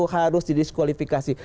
satu harus di diskualifikasi